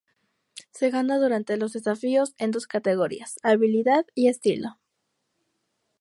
Se gana durante los desafíos en dos categorías: habilidad y estilo.